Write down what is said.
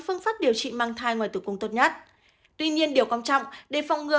phương pháp điều trị mang thai ngoài tử cung tốt nhất tuy nhiên điều quan trọng để phòng ngừa